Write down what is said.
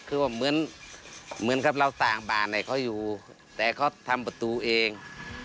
คือว่าเหมือนกับเราต่างบ้านให้เขาอยู่แต่เขาทำประตูเอง